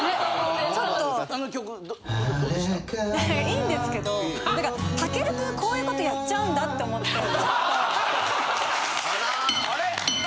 いいんですけど武尊君こういう事やっちゃうんだって思って。